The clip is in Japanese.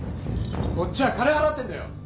こっちは金払ってんだよ。